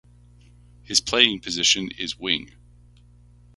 His playing position is wing.